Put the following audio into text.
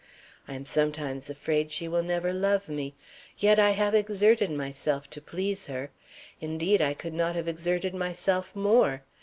I am sometimes afraid she will never love me. Yet I have exerted myself to please her. Indeed, I could not have exerted myself more.